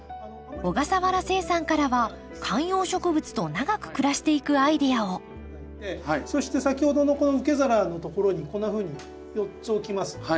小笠原誓さんからは観葉植物と長く暮らしていくアイデアをそして先ほどのこの受け皿のところにこんなふうに４つ置きます。